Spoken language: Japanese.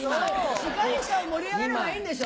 司会者を盛り上げればいいんでしょ？